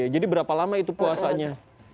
jadi berapa lama itu puasanya